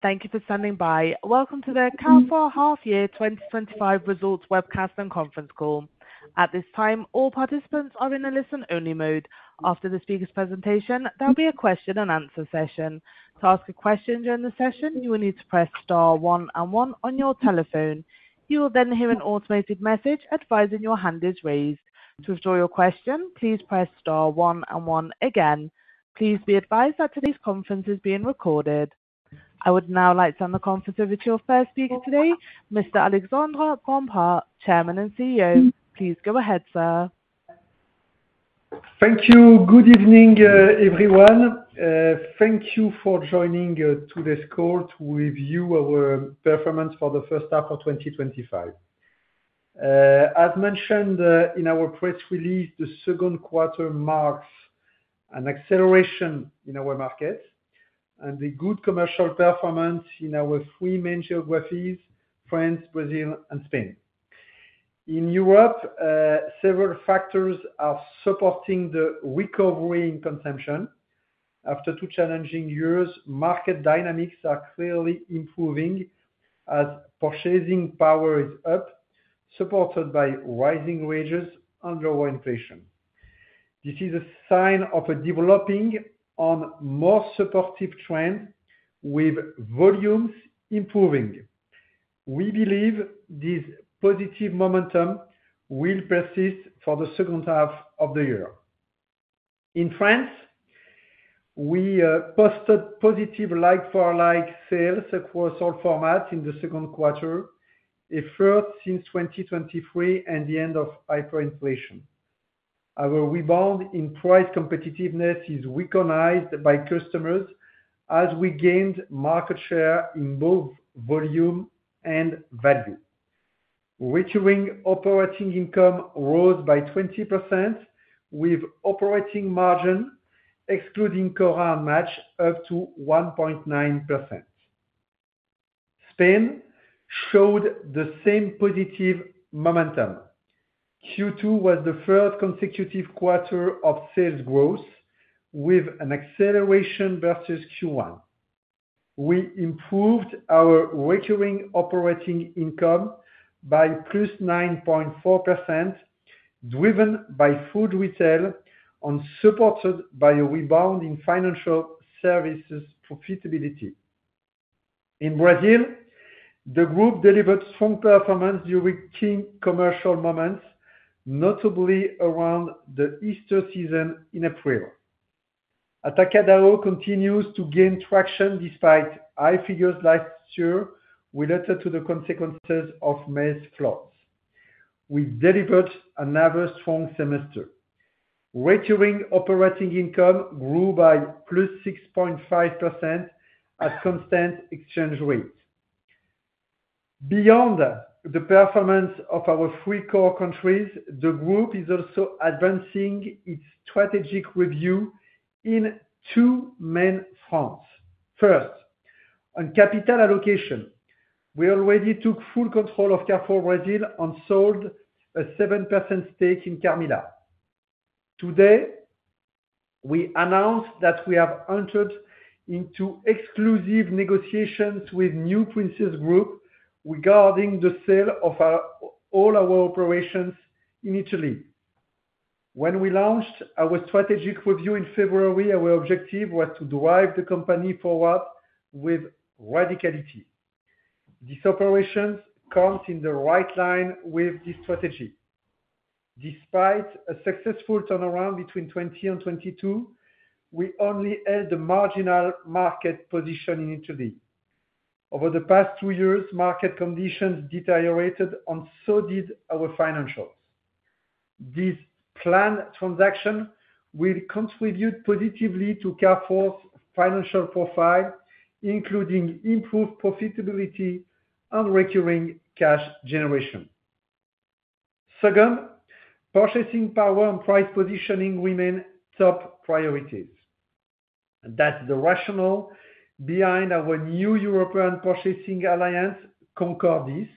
Thank you for standing by. Welcome to the Carrefour Half-Year 2025 Results Webcast and Conference Call. At this time, all participants are in a listen-only mode. After the speaker's presentation, there will be a question-and-answer session. To ask a question during the session, you will need to press star one and one on your telephone. You will then hear an automated message advising your hand is raised. To withdraw your question, please press star one and one again. Please be advised that today's conference is being recorded. I would now like to turn the conference over to your first speaker today, Mr. Alexandre Bompard, Chairman and CEO. Please go ahead, sir. Thank you. Good evening, everyone. Thank you for joining today's call to review our performance for the first half of 2025. As mentioned in our press release, the second quarter marks an acceleration in our market and a good commercial performance in our three main geographies: France, Brazil, and Spain. In Europe, several factors are supporting the recovery in consumption. After two challenging years, market dynamics are clearly improving as purchasing power is up, supported by rising wages and lower inflation. This is a sign of a developing and more supportive trend, with volumes improving. We believe this positive momentum will persist for the second half of the year. In France, we posted positive like-for-like sales across all formats in the second quarter, the first since 2023 and the end of hyperinflation. Our rebound in price competitiveness is recognized by customers as we gained market share in both volume and value. Recurring operating income rose by 20%, with operating margin excluding current Match up to 1.9%. Spain showed the same positive momentum. Q2 was the third consecutive quarter of sales growth, with an acceleration versus Q1. We improved our recurring operating income by +9.4%, driven by food retail and supported by a rebound in financial services profitability. In Brazil, the group delivered strong performance during key commercial moments, notably around the Easter season in April. Atacadão continues to gain traction despite high figures last year, related to the consequences of May's floods. We delivered another strong semester. Recurring operating income grew by +6.5% at constant exchange rates. Beyond the performance of our three core countries, the group is also advancing its strategic review in two main fronts. First, on capital allocation. We already took full control of Carrefour Brazil and sold a 7% stake in Carmila. Today, we announced that we have entered into exclusive negotiations with New Princess Group regarding the sale of all our operations in Italy. When we launched our strategic review in February, our objective was to drive the company forward with radicality. These operations come in the right line with this strategy. Despite a successful turnaround between 2020 and 2022, we only held a marginal market position in Italy. Over the past two years, market conditions deteriorated, and so did our financials. This planned transaction will contribute positively to Carrefour's financial profile, including improved profitability and recurring cash generation. Second, purchasing power and price positioning remain top priorities. That's the rationale behind our new European purchasing alliance, Concordis,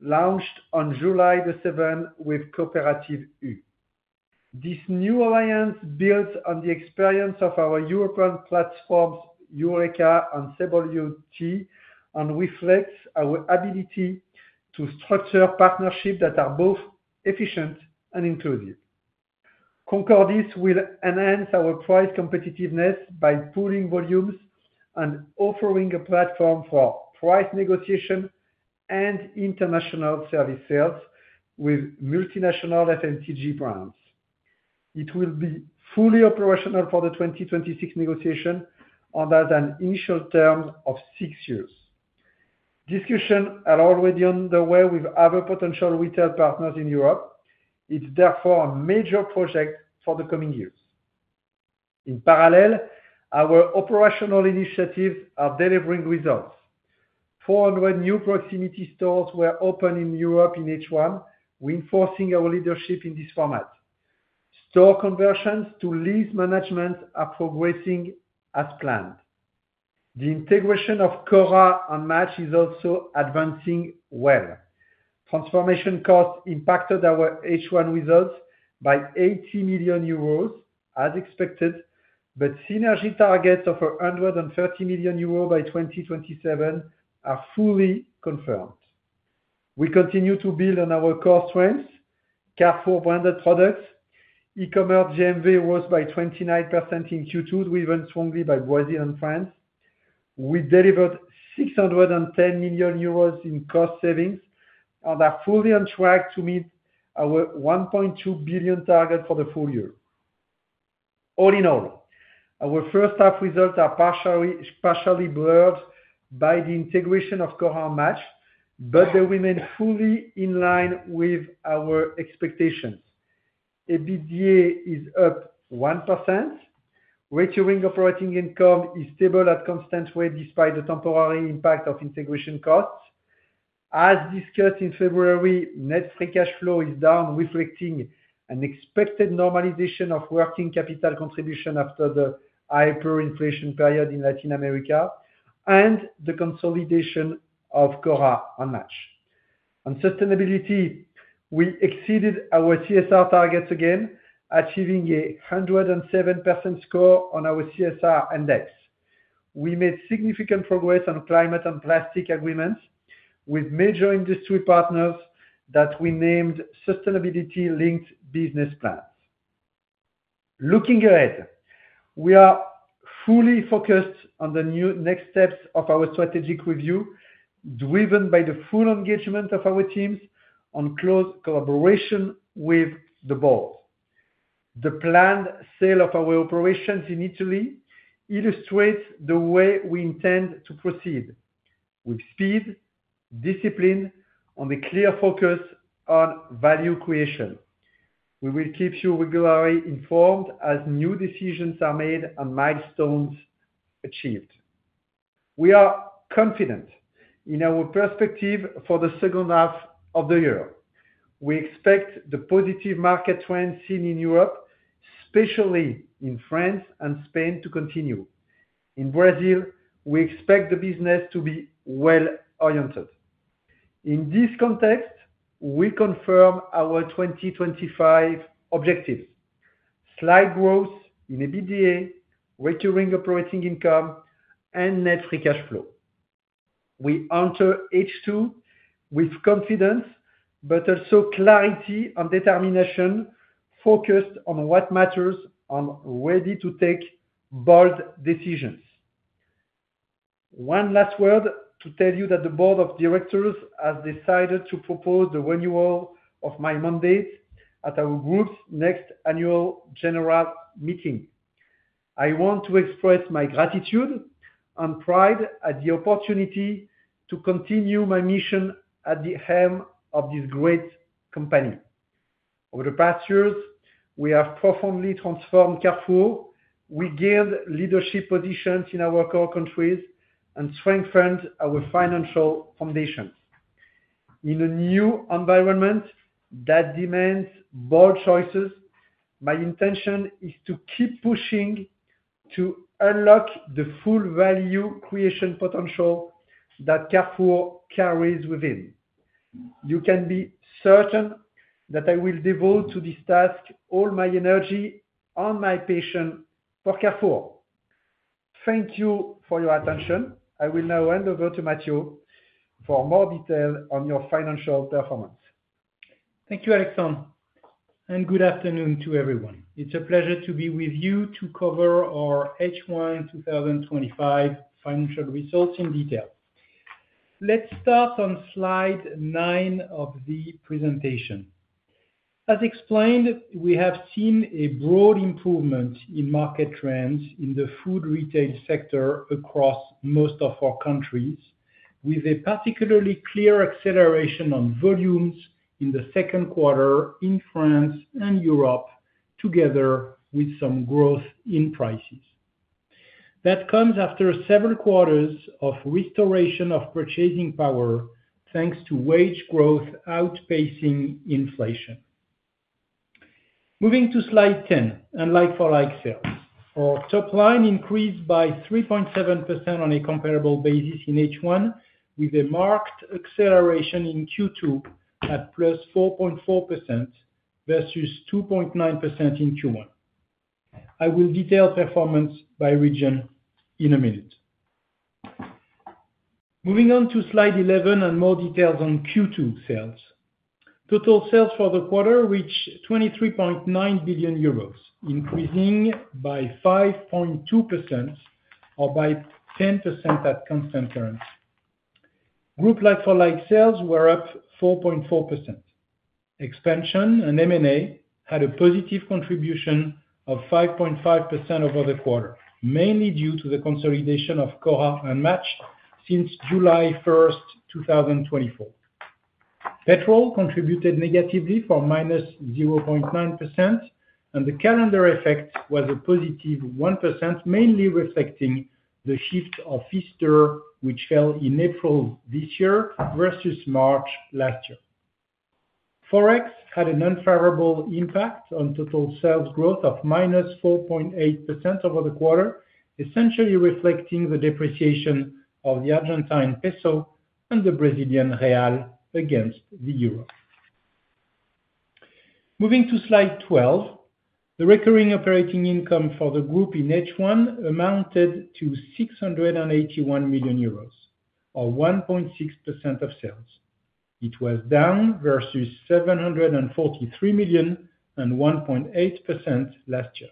launched on July 7 with Cooperative U. This new alliance builds on the experience of our European platforms, Eureka and CobaLT, and reflects our ability to structure partnerships that are both efficient and inclusive. Concordis will enhance our price competitiveness by pooling volumes and offering a platform for price negotiation and international service sales with multinational FMCG brands. It will be fully operational for the 2026 negotiation on an initial term of six years. Discussions are already underway with other potential retail partners in Europe. It's therefore a major project for the coming years. In parallel, our operational initiatives are delivering results. Four hundred new proximity stores were opened in Europe in H1, reinforcing our leadership in this format. Store conversions to lease management are progressing as planned. The integration of Cora and Match is also advancing well. Transformation costs impacted our H1 results by 80 million euros, as expected, but synergy targets of 130 million euros by 2027 are fully confirmed. We continue to build on our core strengths: Carrefour-branded products, e-commerce GMV rose by 29% in Q2, driven strongly by Brazil and France. We delivered 610 million euros in cost savings and are fully on track to meet our 1.2 billion target for the full year. All in all, our first-half results are partially blurred by the integration of Cora and Match, but they remain fully in line with our expectations. EBITDA is up 1%. Reaching operating income is stable at constant rate despite the temporary impact of integration costs. As discussed in February, net free cash flow is down, reflecting an expected normalization of working capital contribution after the hyperinflation period in Latin America and the consolidation of Cora and Match. On sustainability, we exceeded our CSR targets again, achieving a 107% score on our CSR index. We made significant progress on climate and plastic agreements with major industry partners that we named Sustainability-Linked Business Plans. Looking ahead, we are fully focused on the new next steps of our strategic review, driven by the full engagement of our teams and close collaboration with the board. The planned sale of our operations in Italy illustrates the way we intend to proceed: with speed, discipline, and a clear focus on value creation. We will keep you regularly informed as new decisions are made and milestones achieved. We are confident in our perspective for the second half of the year. We expect the positive market trends seen in Europe, especially in France and Spain, to continue. In Brazil, we expect the business to be well-oriented. In this context, we confirm our 2025 objectives: slight growth in EBITDA, recurring operating income, and net free cash flow. We enter H2 with confidence, but also clarity and determination, focused on what matters and ready to take bold decisions. One last word to tell you that the Board of Directors has decided to propose the renewal of my mandate at our group's next annual general meeting. I want to express my gratitude and pride at the opportunity to continue my mission at the helm of this great company. Over the past years, we have profoundly transformed Carrefour. We gained leadership positions in our core countries and strengthened our financial foundations. In a new environment that demands bold choices, my intention is to keep pushing to unlock the full value creation potential that Carrefour carries within. You can be certain that I will devote to this task all my energy and my passion for Carrefour. Thank you for your attention. I will now hand over to Matthieu for more detail on your financial performance. Thank you, Alexandre. And good afternoon to everyone. It's a pleasure to be with you to cover our H1 2025 financial results in detail. Let's start on slide nine of the presentation. As explained, we have seen a broad improvement in market trends in the food retail sector across most of our countries, with a particularly clear acceleration on volumes in the second quarter in France and Europe, together with some growth in prices. That comes after several quarters of restoration of purchasing power, thanks to wage growth outpacing inflation. Moving to slide ten, unlike-for-like sales. Our top line increased by 3.7% on a comparable basis in H1, with a marked acceleration in Q2 at plus 4.4% versus 2.9% in Q1. I will detail performance by region in a minute. Moving on to slide eleven and more details on Q2 sales. Total sales for the quarter reached 23.9 billion euros, increasing by 5.2%. Or by 10% at constant current. Group like-for-like sales were up 4.4%. Expansion and M&A had a positive contribution of 5.5% over the quarter, mainly due to the consolidation of Cora and Match since July 1, 2024. Petrol contributed negatively for minus 0.9%, and the calendar effect was a positive 1%, mainly reflecting the shift of Easter, which fell in April this year versus March last year. Forex had an unfavorable impact on total sales growth of minus 4.8% over the quarter, essentially reflecting the depreciation of the Argentine peso and the Brazilian real against the euro. Moving to slide twelve, the recurring operating income for the group in H1 amounted to 681 million euros, or 1.6% of sales. It was down versus 743 million and 1.8% last year.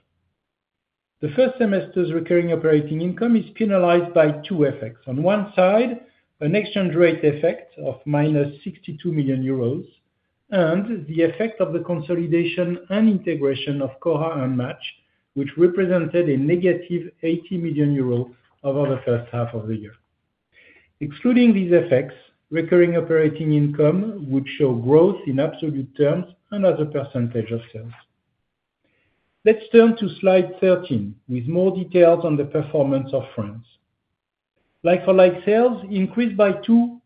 The first semester's recurring operating income is penalized by two effects. On one side, an exchange rate effect of minus 62 million euros, and the effect of the consolidation and integration of Cora and Match, which represented a negative 80 million euros over the first half of the year. Excluding these effects, recurring operating income would show growth in absolute terms and as a percentage of sales. Let's turn to slide thirteen, with more details on the performance of France. Like-for-like sales increased by 2.1%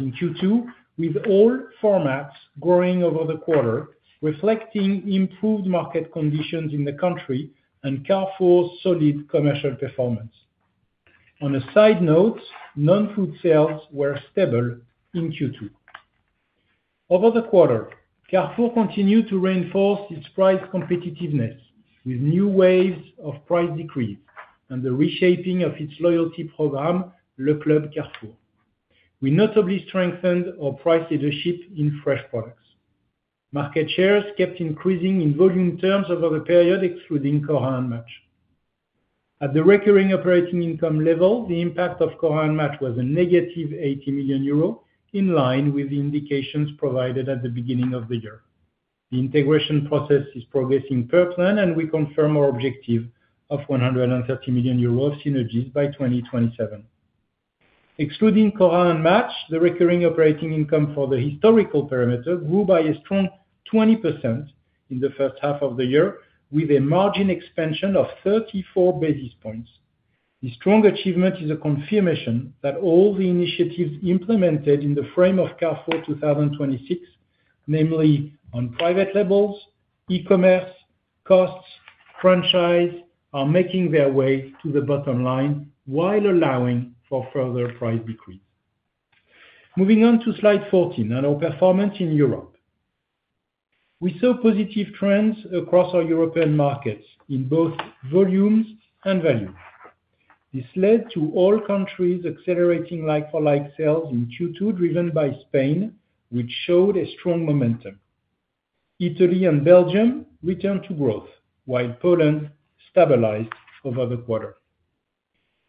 in Q2, with all formats growing over the quarter, reflecting improved market conditions in the country and Carrefour's solid commercial performance. On a side note, non-food sales were stable in Q2. Over the quarter, Carrefour continued to reinforce its price competitiveness with new waves of price decrease and the reshaping of its loyalty program, Le Club Carrefour. We notably strengthened our price leadership in fresh products. Market shares kept increasing in volume terms over the period, excluding Cora and Match. At the recurring operating income level, the impact of Cora and Match was a negative 80 million euro, in line with the indications provided at the beginning of the year. The integration process is progressing per plan, and we confirm our objective of 130 million euros of synergies by 2027. Excluding Cora and Match, the recurring operating income for the historical parameter grew by a strong 20% in the first half of the year, with a margin expansion of 34 basis points. This strong achievement is a confirmation that all the initiatives implemented in the frame of Carrefour 2026, namely on private labels, e-commerce, costs, and franchise, are making their way to the bottom line while allowing for further price decrease. Moving on to slide fourteen and our performance in Europe. We saw positive trends across our European markets in both volumes and value. This led to all countries accelerating like-for-like sales in Q2, driven by Spain, which showed a strong momentum. Italy and Belgium returned to growth, while Poland stabilized over the quarter.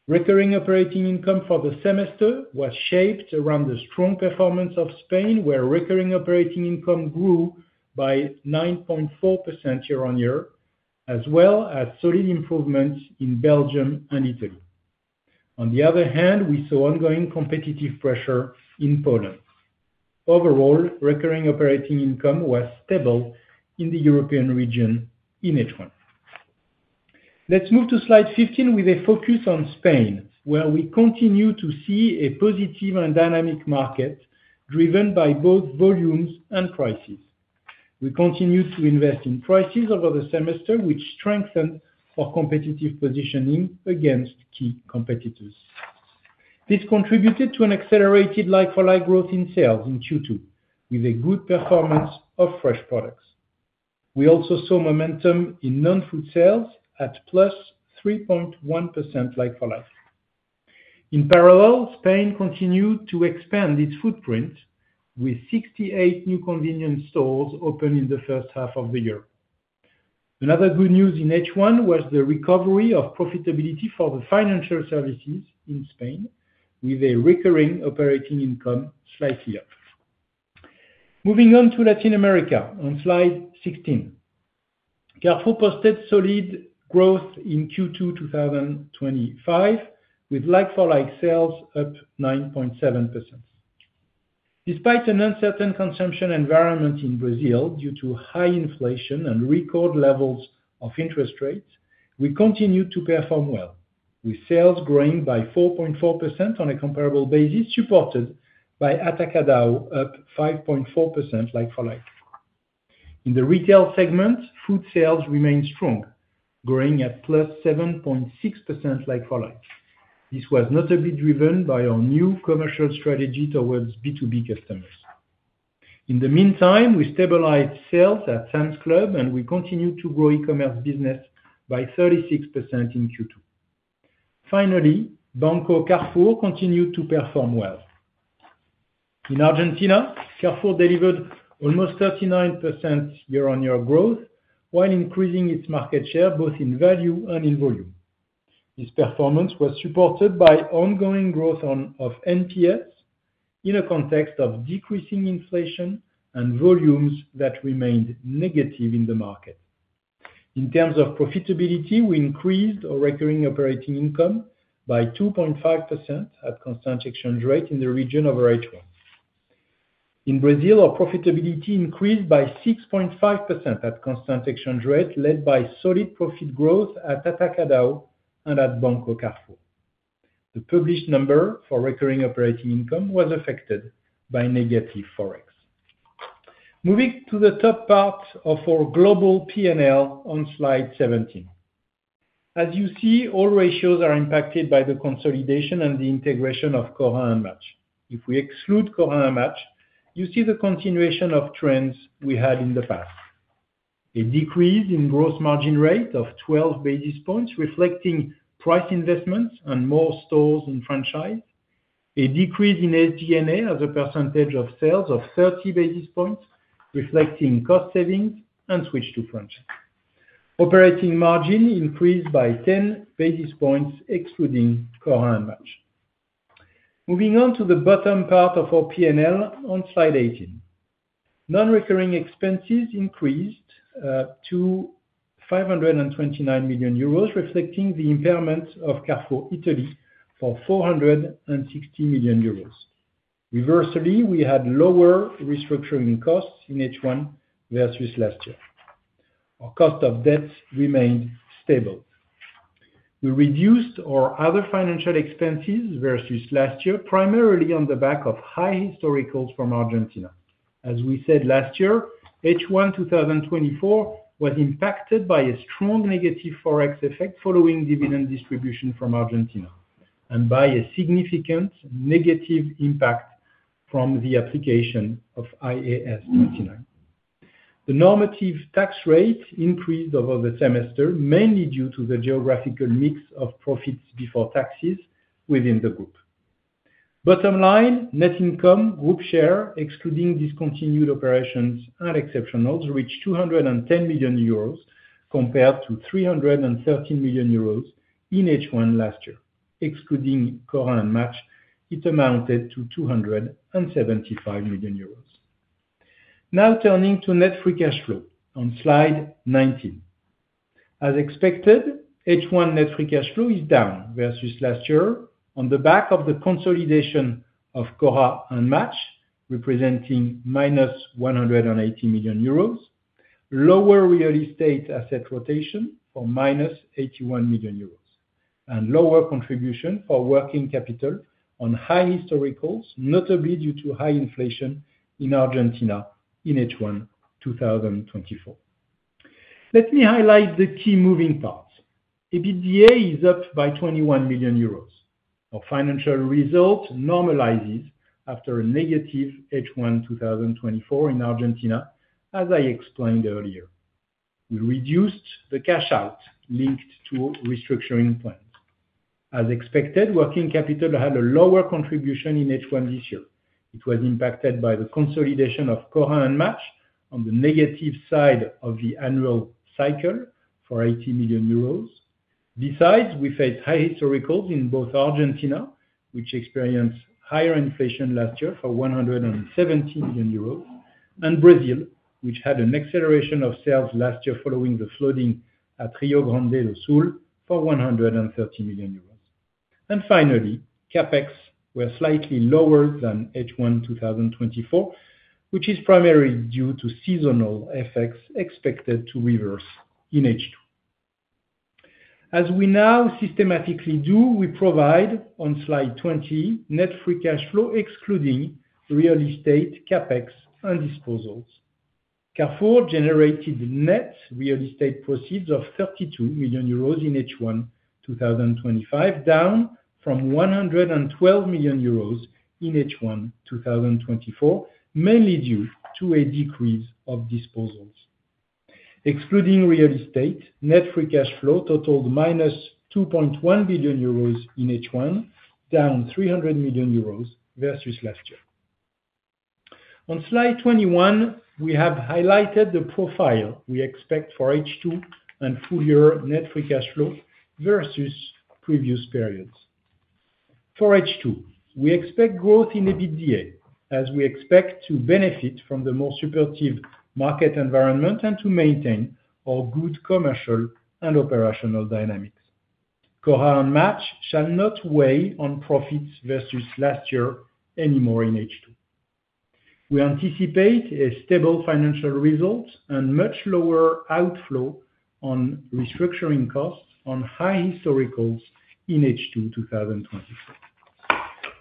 Recurring operating income for the semester was shaped around the strong performance of Spain, where recurring operating income grew by 9.4% year-on-year, as well as solid improvements in Belgium and Italy. On the other hand, we saw ongoing competitive pressure in Poland. Overall, recurring operating income was stable in the European region in H1. Let's move to slide fifteen, with a focus on Spain, where we continue to see a positive and dynamic market driven by both volumes and prices. We continue to invest in prices over the semester, which strengthened our competitive positioning against key competitors. This contributed to an accelerated like-for-like growth in sales in Q2, with a good performance of fresh products. We also saw momentum in non-food sales at plus 3.1% like-for-like. In parallel, Spain continued to expand its footprint, with 68 new convenience stores opened in the first half of the year. Another good news in H1 was the recovery of profitability for the financial services in Spain, with a recurring operating income slightly up. Moving on to Latin America on slide sixteen. Carrefour posted solid growth in Q2 2025, with like-for-like sales up 9.7%. Despite an uncertain consumption environment in Brazil due to high inflation and record levels of interest rates, we continued to perform well, with sales growing by 4.4% on a comparable basis, supported by Atacadão, up 5.4% like-for-like. In the retail segment, food sales remained strong, growing at plus 7.6% like-for-like. This was notably driven by our new commercial strategy towards B2B customers. In the meantime, we stabilized sales at Sam's Club, and we continued to grow e-commerce business by 36% in Q2. Finally, Banco Carrefour continued to perform well. In Argentina, Carrefour delivered almost 39% year-on-year growth, while increasing its market share both in value and in volume. This performance was supported by ongoing growth of NPS in a context of decreasing inflation and volumes that remained negative in the market. In terms of profitability, we increased our recurring operating income by 2.5% at constant exchange rate in the region of H1. In Brazil, our profitability increased by 6.5% at constant exchange rate, led by solid profit growth at Atacadão and at Banco Carrefour. The published number for recurring operating income was affected by negative forex. Moving to the top part of our global P&L on slide seventeen. As you see, all ratios are impacted by the consolidation and the integration of Cora and Match. If we exclude Cora and Match, you see the continuation of trends we had in the past. A decrease in gross margin rate of 12 basis points, reflecting price investments and more stores and franchise. A decrease in SG&A as a percentage of sales of 30 basis points, reflecting cost savings and switch to franchise. Operating margin increased by 10 basis points, excluding Cora and Match. Moving on to the bottom part of our P&L on slide eighteen. Non-recurring expenses increased to 529 million euros, reflecting the impairment of Carrefour Italy for 460 million euros. Reversely, we had lower restructuring costs in H1 versus last year. Our cost of debt remained stable. We reduced our other financial expenses versus last year, primarily on the back of high historical's from Argentina. As we said last year, H1 2024 was impacted by a strong negative forex effect following dividend distribution from Argentina and by a significant negative impact from the application of IAS 29. The normative tax rate increased over the semester, mainly due to the geographical mix of profits before taxes within the group. Bottom line, net income, group share, excluding discontinued operations and exceptional's, reached 210 million euros compared to 313 million euros in H1 last year. Excluding Cora and Match, it amounted to 275 million euros. Now turning to net free cash flow on slide nineteen. As expected, H1 net free cash flow is down versus last year on the back of the consolidation of Cora and Match, representing minus 180 million euros. Lower real estate asset rotation for minus 81 million euros, and lower contribution for working capital on high historical, notably due to high inflation in Argentina in H1 2024. Let me highlight the key moving parts. EBITDA is up by 21 million euros. Our financial result normalizes after a negative H1 2024 in Argentina, as I explained earlier. We reduced the cash out linked to restructuring plans. As expected, working capital had a lower contribution in H1 this year. It was impacted by the consolidation of Cora and Match on the negative side of the annual cycle for 80 million euros. Besides, we face high historical in both Argentina, which experienced higher inflation last year for 170 million euros, and Brazil, which had an acceleration of sales last year following the flooding at Rio Grande do Sul for 130 million euros. Finally, CapEx were slightly lower than H1 2024, which is primarily due to seasonal effects expected to reverse in H2. As we now systematically do, we provide on slide twenty net free cash flow, excluding real estate, CapEx, and disposals. Carrefour generated net real estate proceeds of 32 million euros in H1 2025, down from 112 million euros in H1 2024, mainly due to a decrease of disposals. Excluding real estate, net free cash flow totaled minus 2.1 billion euros in H1, down 300 million euros versus last year. On slide twenty-one, we have highlighted the profile we expect for H2 and full year net free cash flow versus previous periods. For H2, we expect growth in EBITDA, as we expect to benefit from the more supportive market environment and to maintain our good commercial and operational dynamics. Cora and Match shall not weigh on profits versus last year anymore in H2. We anticipate a stable financial result and much lower outflow on restructuring costs on high historical's in H2 2024.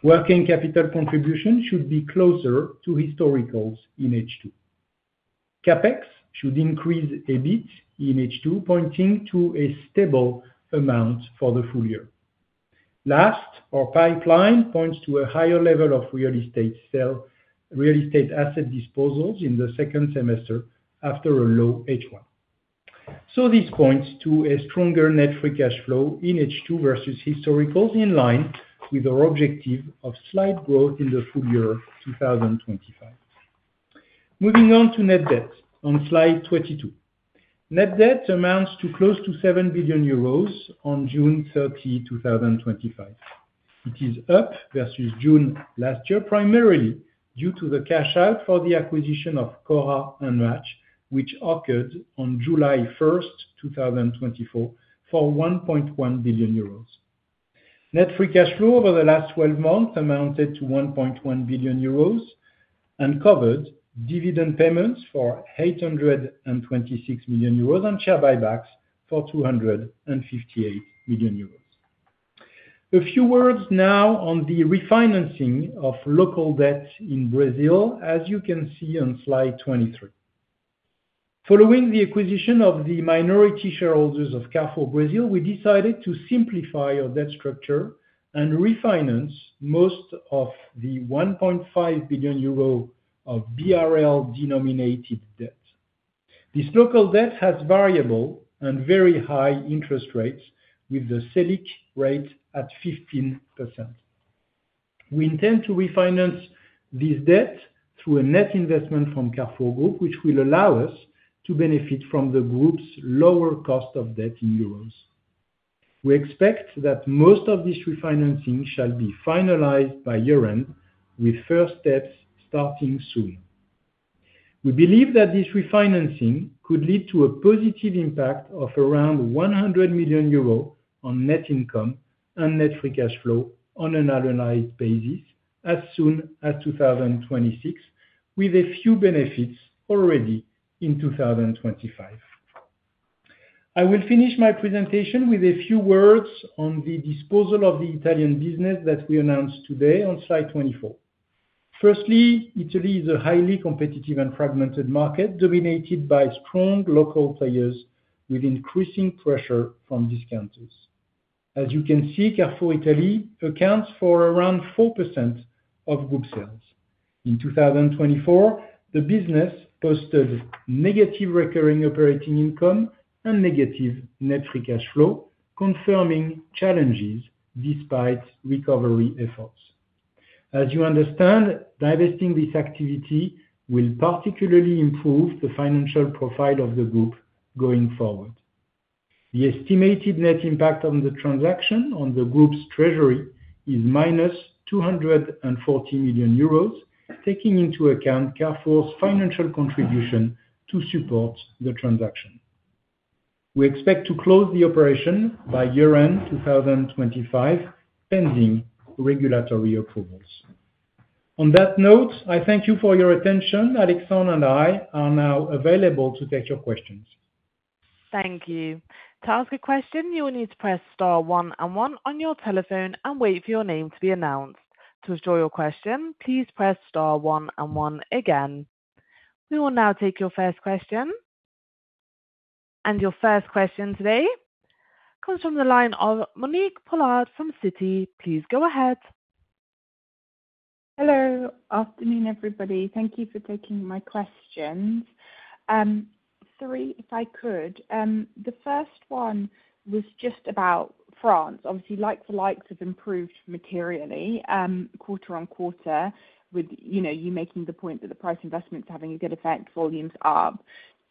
Working capital contribution should be closer to historical's in H2. CapEx should increase EBIT in H2, pointing to a stable amount for the full year. Last, our pipeline points to a higher level of real estate asset disposals in the second semester after a low H1. This points to a stronger net free cash flow in H2 versus historical, in line with our objective of slight growth in the full year 2025. Moving on to net debt on slide twenty-two. Net debt amounts to close to 7 billion euros on June thirty, 2025. It is up versus June last year, primarily due to the cash out for the acquisition of Cora and Match, which occurred on July first, 2024, for 1.1 billion euros. Net free cash flow over the last twelve months amounted to 1.1 billion euros and covered dividend payments for 826 million euros and share buybacks for 258 million euros. A few words now on the refinancing of local debt in Brazil, as you can see on slide twenty-three. Following the acquisition of the minority shareholders of Carrefour Brazil, we decided to simplify our debt structure and refinance most of the 1.5 billion euro of BRL denominated debt. This local debt has variable and very high interest rates, with the SELIC rate at 15%. We intend to refinance this debt through a net investment from Carrefour Group, which will allow us to benefit from the group's lower cost of debt in euros. We expect that most of this refinancing shall be finalized by year-end, with first steps starting soon. We believe that this refinancing could lead to a positive impact of around 100 million euros on net income and net free cash flow on an annualized basis as soon as 2026, with a few benefits already in 2025. I will finish my presentation with a few words on the disposal of the Italian business that we announced today on slide twenty-four. Firstly, Italy is a highly competitive and fragmented market, dominated by strong local players with increasing pressure from discounters. As you can see, Carrefour Italy accounts for around 4% of group sales. In 2024, the business posted negative recurring operating income and negative net free cash flow, confirming challenges despite recovery efforts. As you understand, divesting this activity will particularly improve the financial profile of the group going forward. The estimated net impact of the transaction on the group's treasury is minus 240 million euros, taking into account Carrefour's financial contribution to support the transaction. We expect to close the operation by year-end 2025, pending regulatory approvals. On that note, I thank you for your attention. Alexandre and I are now available to take your questions. Thank you. To ask a question, you will need to press star one and one on your telephone and wait for your name to be announced. To withdraw your question, please press star one and one again. We will now take your first question. Your first question today comes from the line of Monique Pollard from Citi. Please go ahead. Hello. Afternoon, everybody. Thank you for taking my questions. Three, if I could. The first one was just about France. Obviously, like the likes have improved materially, quarter on quarter, with you making the point that the price investments are having a good effect, volumes up.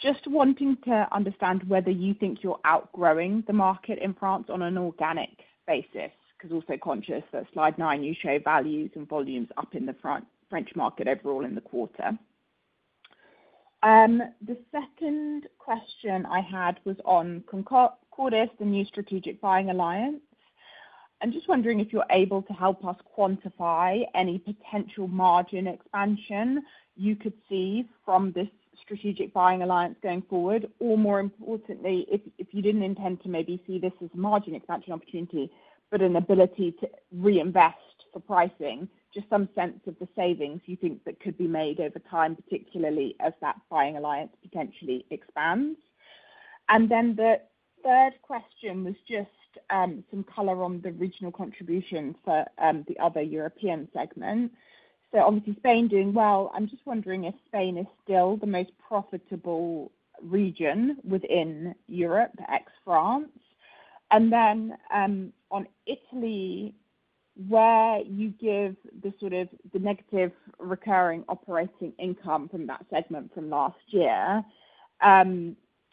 Just wanting to understand whether you think you're outgrowing the market in France on an organic basis, because also conscious that slide nine, you show values and volumes up in the French market overall in the quarter. The second question I had was on Concordis, the new strategic buying alliance. Just wondering if you're able to help us quantify any potential margin expansion you could see from this strategic buying alliance going forward, or more importantly, if you didn't intend to maybe see this as a margin expansion opportunity, but an ability to reinvest for pricing, just some sense of the savings you think that could be made over time, particularly as that buying alliance potentially expands. The third question was just some color on the regional contribution for the other European segment. Obviously, Spain doing well. I'm just wondering if Spain is still the most profitable region within Europe ex-France. On Italy, where you give the sort of the negative recurring operating income from that segment from last year,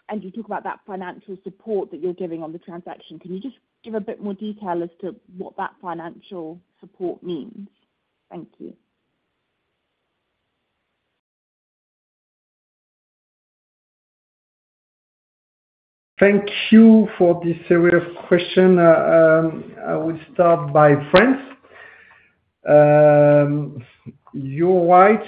and you talk about that financial support that you're giving on the transaction, can you just give a bit more detail as to what that financial support means? Thank you. Thank you for this area of question. I will start by France. You're right.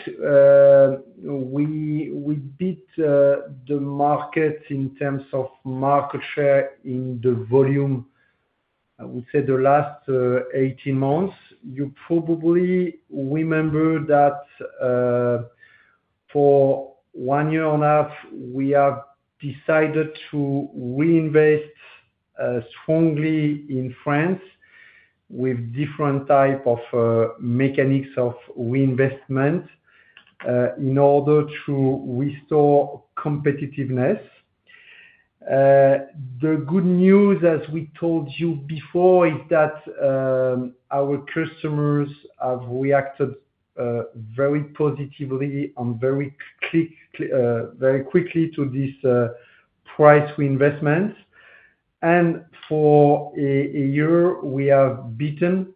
We beat the market in terms of market share in the volume, I would say, the last 18 months. You probably remember that for one year and a half, we have decided to reinvest strongly in France with different types of mechanics of reinvestment in order to restore competitiveness. The good news, as we told you before, is that our customers have reacted very positively and very quickly to this price reinvestment. For a year, we have beaten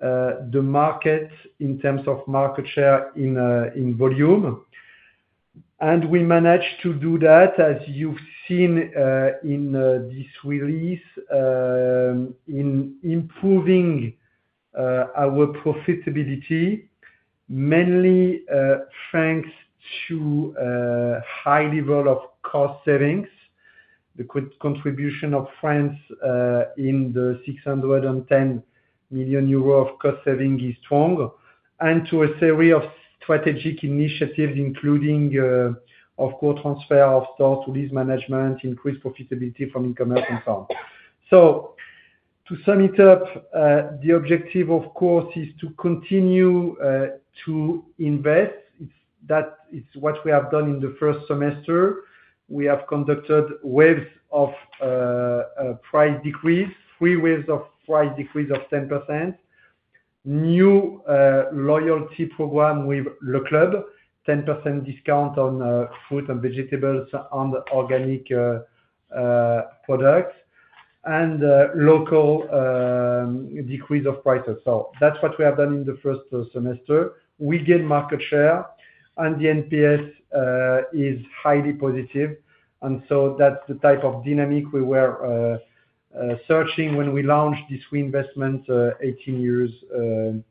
the market in terms of market share in volume. We managed to do that, as you've seen in this release, in improving our profitability, mainly thanks to high level of cost savings. The contribution of France in the 610 million euro of cost savings is strong, and to a series of strategic initiatives, including. Of course, transfer of stock to lease management, increased profitability from e-commerce, and so on. To sum it up, the objective, of course, is to continue to invest. It's what we have done in the first semester. We have conducted waves of price decrease, three waves of price decrease of 10%. New loyalty program with Le Club Carrefour, 10% discount on fruit and vegetables and organic products, and local decrease of prices. That's what we have done in the first semester. We gained market share, and the NPS is highly positive. That is the type of dynamic we were searching when we launched this reinvestment 18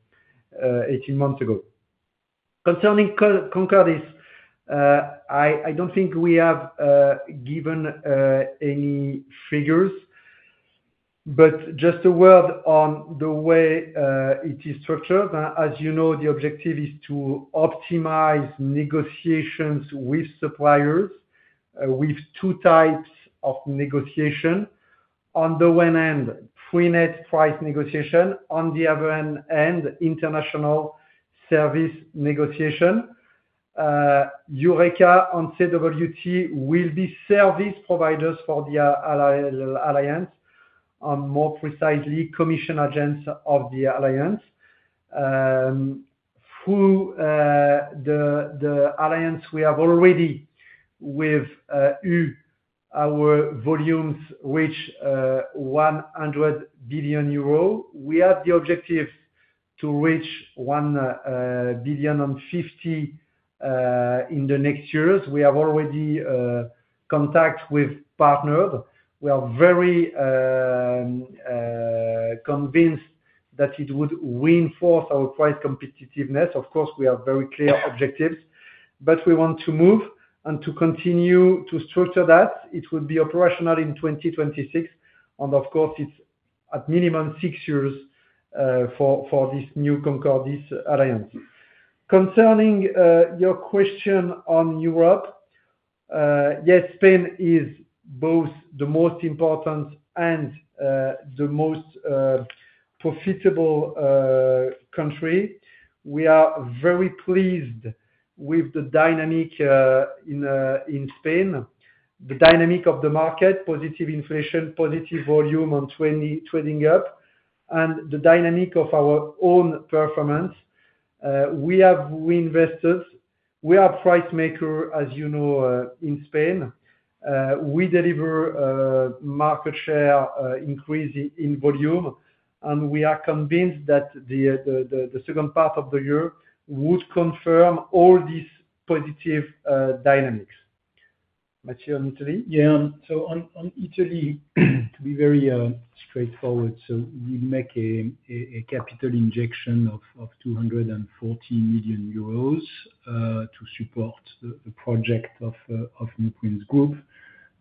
months ago. Concerning Concordis, I don't think we have given any figures, but just a word on the way it is structured. As you know, the objective is to optimize negotiations with suppliers, with two types of negotiation. On the one end, pre-net price negotiation. On the other end, international service negotiation. Eureka and Cobalt will be service providers for the alliance. More precisely, commission agents of the alliance. Through the alliance we have already, with our volumes, reach 100 billion euro. We have the objective to reach 1 billion in the next years. We have already contact with partners. We are very convinced that it would reinforce our price competitiveness. Of course, we have very clear objectives, but we want to move and to continue to structure that. It will be operational in 2026. Of course, it's at minimum six years for this new Concordis alliance. Concerning your question on Europe, yes, Spain is both the most important and the most profitable country. We are very pleased with the dynamic in Spain, the dynamic of the market, positive inflation, positive volume on trading up, and the dynamic of our own performance. We have reinvested. We are a price maker, as you know, in Spain. We deliver market share increase in volume, and we are convinced that the second part of the year would confirm all these positive dynamics. Matteo? In Italy, Yeah. On Italy, to be very straightforward, we make a capital injection of 240 million euros to support the project of New Princess Group,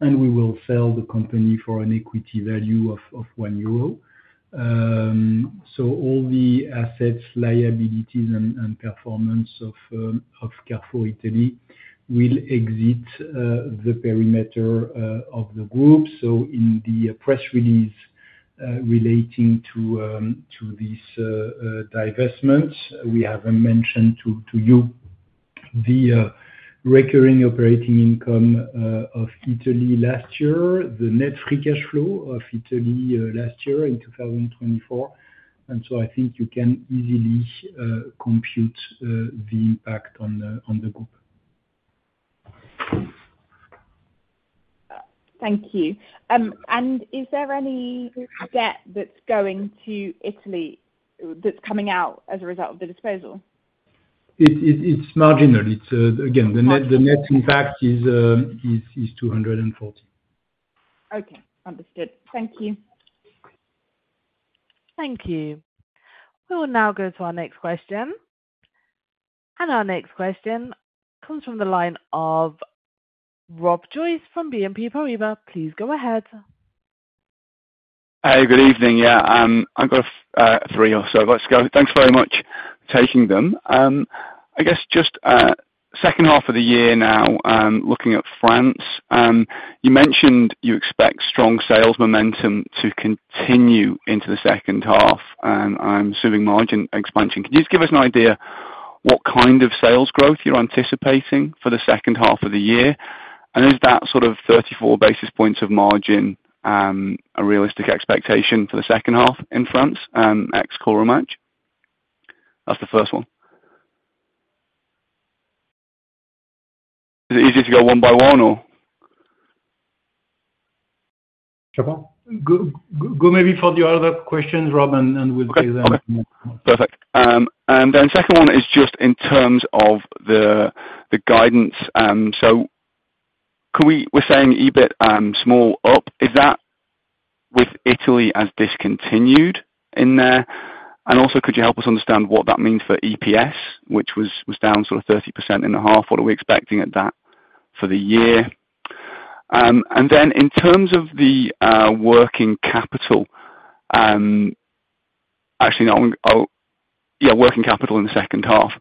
and we will sell the company for an equity value of 1 euro. All the assets, liabilities, and performance of Carrefour Italy will exit the perimeter of the group. In the press release relating to this divestment, we have mentioned to you the recurring operating income of Italy last year, the net free cash flow of Italy last year in 2024. I think you can easily compute the impact on the group. Thank you. Is there any debt that's going to Italy that's coming out as a result of the disposal? It's marginal. Again, the net impact is 240 million. Okay. Understood. Thank you. Thank you. We will now go to our next question. Our next question comes from the line of Rob Joyce from BNP Paribas. Please go ahead. Hi. Good evening. Yeah. I've got three or so of us. Thanks very much for taking them. I guess just. Second half of the year now, looking at France, you mentioned you expect strong sales momentum to continue into the second half, and I'm assuming margin expansion. Can you just give us an idea what kind of sales growth you're anticipating for the second half of the year? And is that sort of 34 basis points of margin a realistic expectation for the second half in France ex-Coremarch? That's the first one. Is it easier to go one by one or? Go maybe for the other questions, Rob, and we'll take them. Perfect. And then second one is just in terms of the guidance. So. We're saying EBIT small up. Is that with Italy as discontinued in there? And also, could you help us understand what that means for EPS, which was down sort of 30% in the half? What are we expecting at that for the year? And then in terms of the working capital. Actually, no. Yeah, working capital in the second half.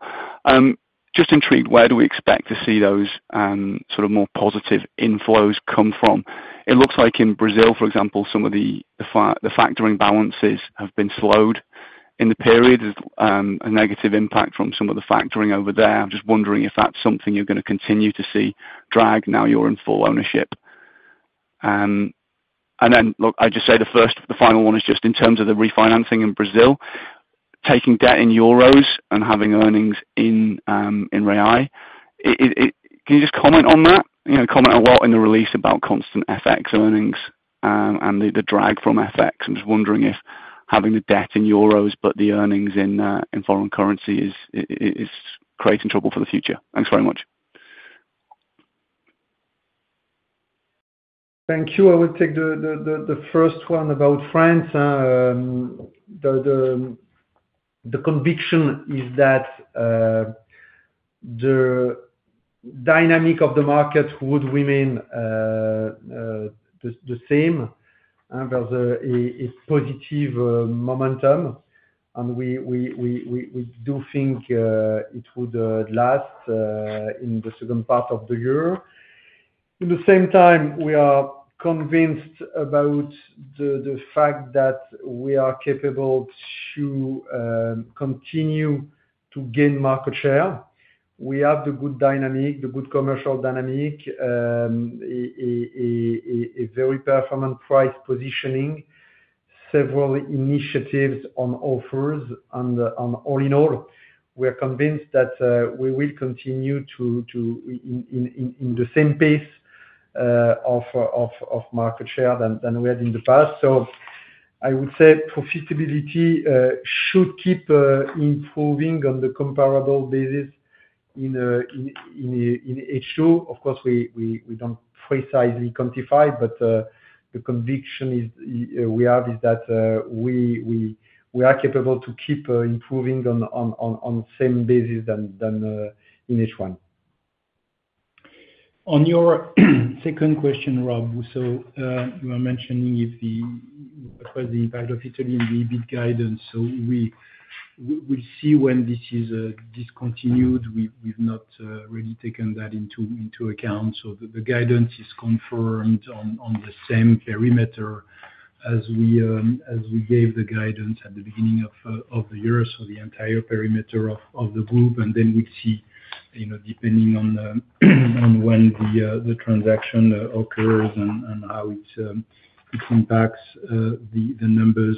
Just intrigued, where do we expect to see those sort of more positive inflows come from? It looks like in Brazil, for example, some of the factoring balances have been slowed in the period. A negative impact from some of the factoring over there. I'm just wondering if that's something you're going to continue to see drag now you're in full ownership. And then, look, I just say the final one is just in terms of the refinancing in Brazil, taking debt in euros and having earnings in real. Can you just comment on that? Comment a lot in the release about constant FX earnings and the drag from FX. I'm just wondering if having the debt in euros but the earnings in foreign currency is creating trouble for the future. Thanks very much. Thank you. I will take the first one about France. The conviction is that the dynamic of the market would remain the same. There's a positive momentum, and we do think it would last in the second part of the year. At the same time, we are convinced about the fact that we are capable to continue to gain market share. We have the good dynamic, the good commercial dynamic. A very performant price positioning. Several initiatives on offers. And all in all, we are convinced that we will continue to in the same pace of market share than we had in the past. So I would say profitability should keep improving on the comparable basis in H2. Of course, we don't precisely quantify, but the conviction we have is that we are capable to keep improving on the same basis than in H1. On your second question, Rob, so you were mentioning what was the impact of Italy in the EBIT guidance? So. We'll see when this is discontinued. We've not really taken that into account. The guidance is confirmed on the same perimeter as we gave the guidance at the beginning of the year, so the entire perimeter of the group. We would see, depending on when the transaction occurs and how it impacts the numbers,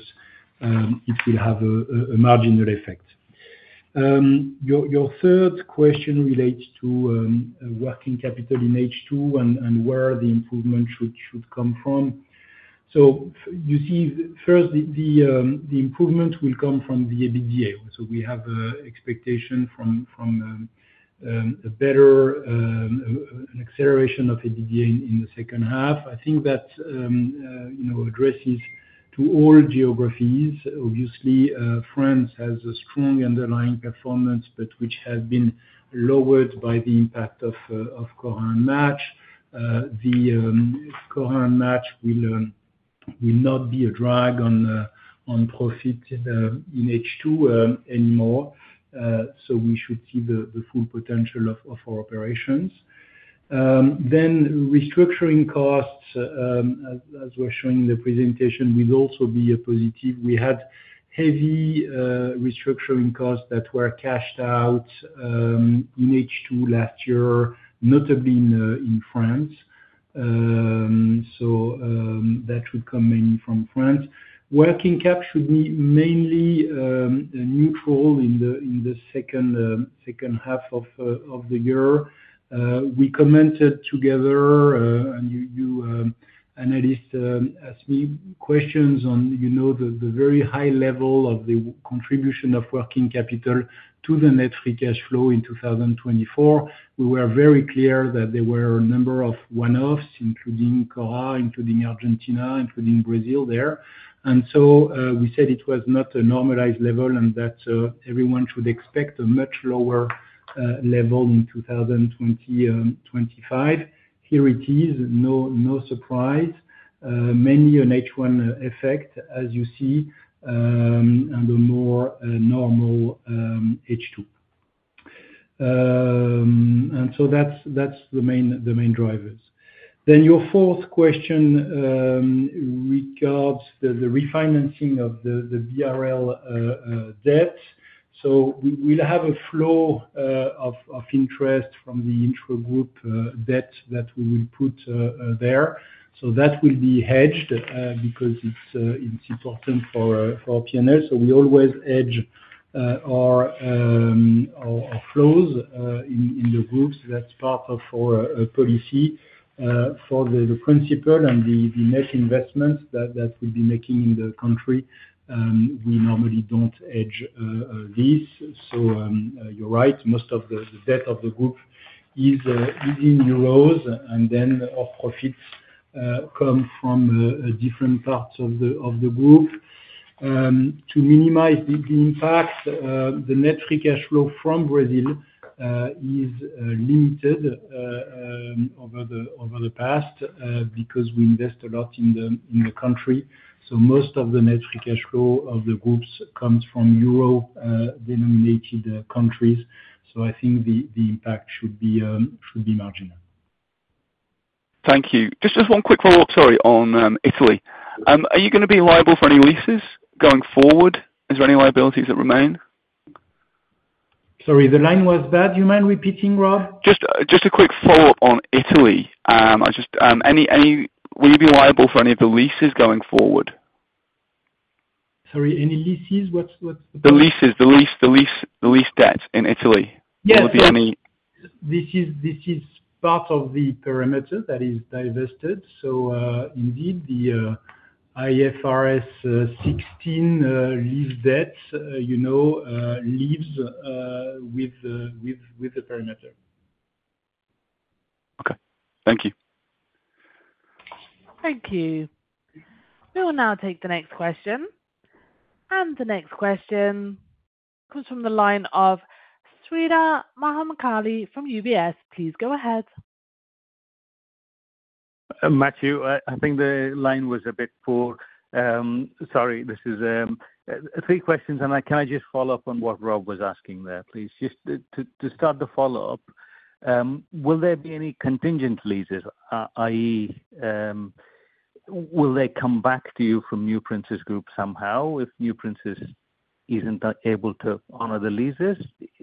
it will have a marginal effect. Your third question relates to working capital in H2 and where the improvement should come from. First, the improvement will come from the EBITDA. We have an expectation from a better acceleration of EBITDA in the second half. I think that addresses to all geographies. Obviously, France has a strong underlying performance, but which has been lowered by the impact of Coremarch. Coremarch will not be a drag on profit in H2 anymore, so we should see the full potential of our operations. Then restructuring costs, as we're showing in the presentation, will also be a positive. We had heavy restructuring costs that were cashed out in H2 last year, notably in France, so that would come mainly from France. Working cap should be mainly neutral in the second half of the year. We commented together, and you, analyst, asked me questions on the very high level of the contribution of working capital to the net free cash flow in 2024. We were very clear that there were a number of one-offs, including Cora, including Argentina, including Brazil there, and we said it was not a normalized level and that everyone should expect a much lower level in 2025. Here it is, no surprise, mainly an H1 effect, as you see, and a more normal H2. That's the main drivers. Your fourth question regards the refinancing of the BRL debt. We'll have a flow of interest from the intra-group debt that we will put there, so that will be hedged because it's important for P&L. We always hedge our flows in the groups. That's part of our policy. For the principal and the net investments that we'd be making in the country, we normally don't hedge these. You're right, most of the debt of the group is in euros, and then our profits come from different parts of the group. To minimize the impact, the net free cash flow from Brazil is limited over the past because we invest a lot in the country. Most of the net free cash flow of the groups comes from euro-denominated countries, so I think the impact should be marginal. Thank you. Just one quick follow-up, sorry, on Italy. Are you going to be liable for any leases going forward? Is there any liabilities that remain? Sorry, the line was bad. Do you mind repeating, Rob? Just a quick follow-up on Italy. Will you be liable for any of the leases going forward? Sorry, any leases? What's the question? The leases, the lease debt in Italy. Will there be any? This is part of the perimeter that is divested. So indeed, the. IFRS 16 lease debt. Lives. With the perimeter. Okay. Thank you. Thank you. We will now take the next question. The next question comes from the line of Sreedhar Mahamkali from UBS. Please go ahead. Matteo, I think the line was a bit poor. Sorry, this is three questions. Can I just follow up on what Rob was asking there, please? Just to start the follow-up. Will there be any contingent leases, i.e. will they come back to you from New Princess Group somehow if New Princess isn't able to honor the leases?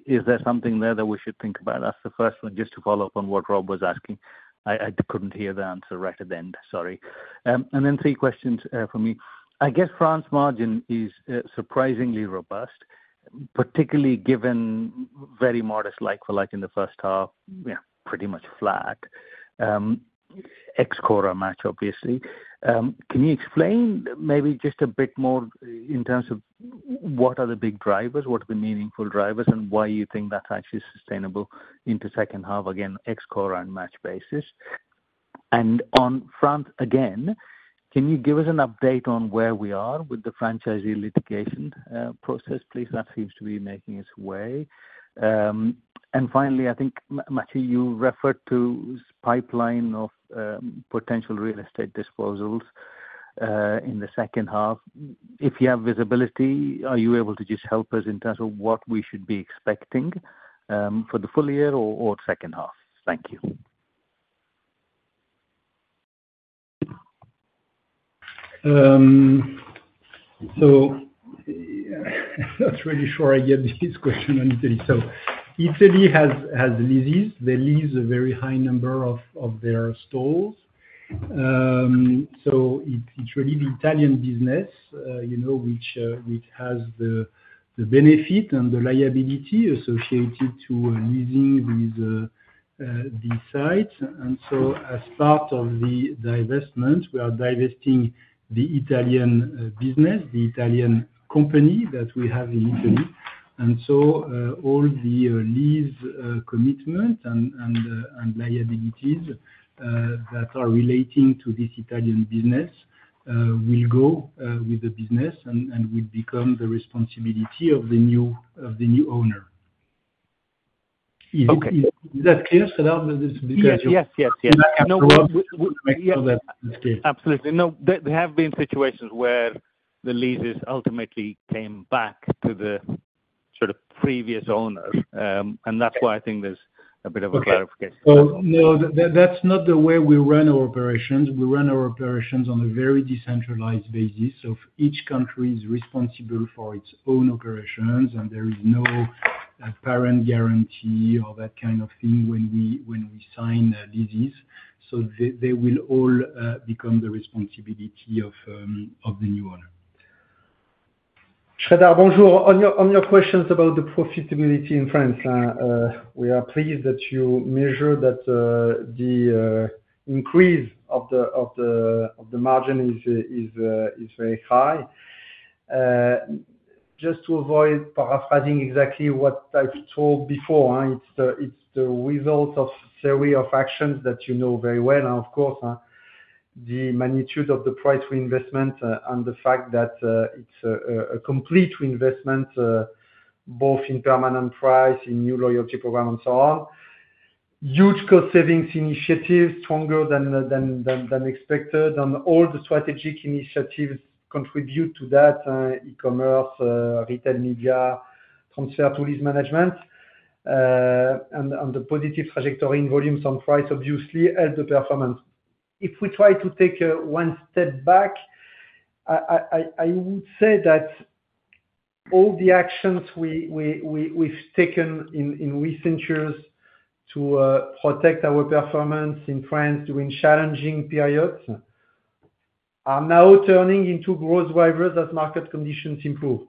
Is there something there that we should think about? That's the first one. Just to follow up on what Rob was asking. I couldn't hear the answer right at the end. Sorry. Then three questions for me. I guess France's margin is surprisingly robust, particularly given very modest like-for-like in the first half, pretty much flat. Ex-Cora, obviously. Can you explain maybe just a bit more in terms of what are the big drivers, what are the meaningful drivers, and why you think that's actually sustainable into the second half, again, ex-Cora basis? On France, again, can you give us an update on where we are with the franchisee litigation process, please? That seems to be making its way. Finally, I think, Matteo, you referred to this pipeline of potential real estate disposals in the second half. If you have visibility, are you able to just help us in terms of what we should be expecting for the full year or second half? Thank you. Not really sure I get this question on Italy. Italy has leases. They lease a very high number of their stores. It's really the Italian business which has the benefit and the liability associated to leasing these sites. As part of the divestment, we are divesting the Italian business, the Italian company that we have in Italy. All the lease commitment and liabilities that are relating to this Italian business will go with the business and will become the responsibility of the new owner. Is that clear, Sreedhar? Yes, yes, yes. No, Rob, make sure that it's clear. Absolutely. There have been situations where the leases ultimately came back to the sort of previous owner, and that's why I think there's a bit of a clarification. No, that's not the way we run our operations. We run our operations on a very decentralized basis. Each country is responsible for its own operations, and there is no parent guarantee or that kind of thing when we sign leases. They will all become the responsibility of the new owner. Sreedhar, bonjour. On your questions about the profitability in France. We are pleased that you measure that the increase of the margin is very high. Just to avoid paraphrasing exactly what I've told before, it's the result of a series of actions that you know very well. And of course. The magnitude of the price reinvestment and the fact that it's a complete reinvestment, both in permanent price, in new loyalty program, and so on. Huge cost savings initiatives, stronger than expected, and all the strategic initiatives contribute to that: e-commerce, retail media, transfer to lease management. The positive trajectory in volumes on price, obviously, helped the performance. If we try to take one step back, I would say that all the actions we've taken in recent years to protect our performance in France during challenging periods are now turning into growth drivers as market conditions improve.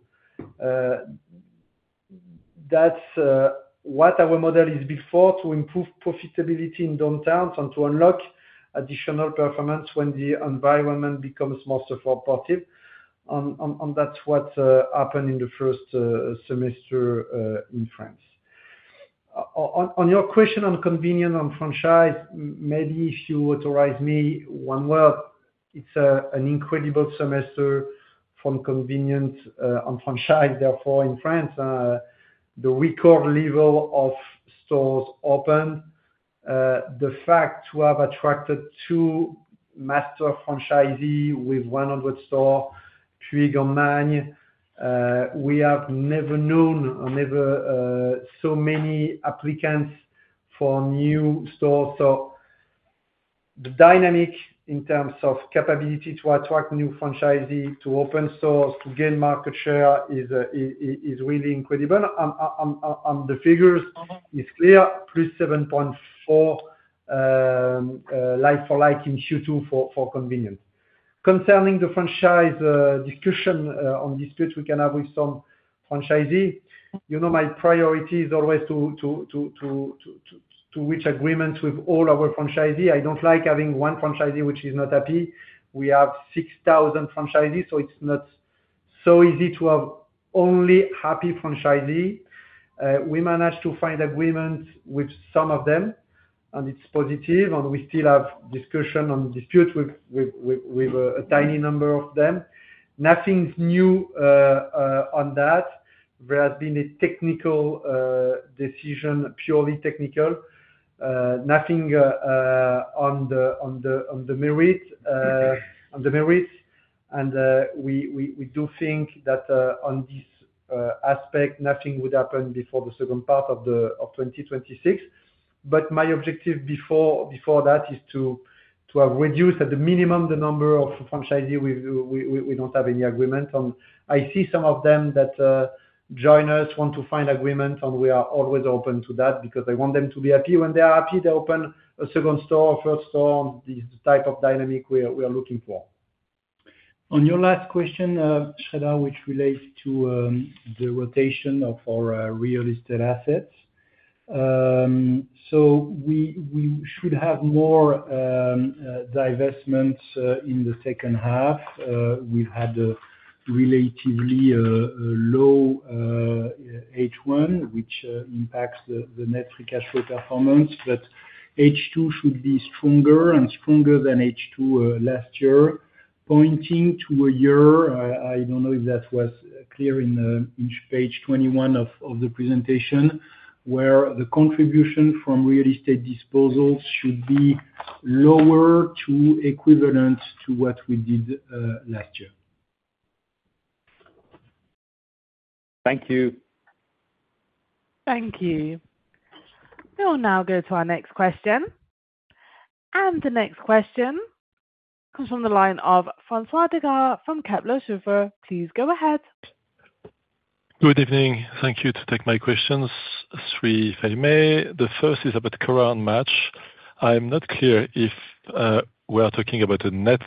That's what our model is built for: to improve profitability in downturns and to unlock additional performance when the environment becomes more supportive. That's what happened in the first semester in France. On your question on convenience and franchise, maybe if you authorize me one word, it's an incredible semester from convenience and franchise, therefore, in France. The record level of stores opened, the fact we have attracted two master franchisees with 100 stores, three gourmands. We have never known or never seen so many applicants for new stores. The dynamic in terms of capability to attract new franchisees, to open stores, to gain market share is really incredible. The figures are clear: plus 7.4% like-for-like in Q2 for convenience. Concerning the franchise discussion on disputes we can have with some franchisees, my priority is always to reach agreements with all our franchisees. I don't like having one franchisee which is not happy. We have 6,000 franchisees, so it's not so easy to have only happy franchisees. We managed to find agreements with some of them, and it's positive. We still have discussions on disputes with a tiny number of them. Nothing new on that. There has been a technical decision, purely technical, nothing on the merit. We do think that on this aspect, nothing would happen before the second part of 2026. My objective before that is to have reduced at the minimum the number of franchisees we don't have any agreements on. I see some of them that join us, want to find agreements, and we are always open to that because I want them to be happy. When they are happy, they open a second store or third store. This is the type of dynamic we are looking for. On your last question, Sreedhar, which relates to the rotation of our real estate assets. We should have more divestments in the second half. We've had a relatively low H1, which impacts the net free cash flow performance, but H2 should be stronger and stronger than H2 last year, pointing to a year—I don't know if that was clear in page 21 of the presentation—where the contribution from real estate disposals should be lower to equivalent to what we did last year. Thank you. Thank you. We will now go to our next question. And the next question. Comes from the line of François Degas from Kepler Cheuvreux. Please go ahead. Good evening. Thank you to take my questions, Sri Fehime. The first is about Cora and Match. I'm not clear if we are talking about a net